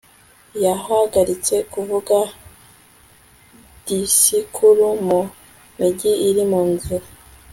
yahagaritse kuvuga disikuru mu mijyi iri mu nzira